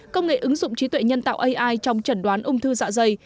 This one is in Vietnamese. công nghệ ứng dụng trí tuệ nhân tạo ai trong chẩn đoán ung thư dạ dày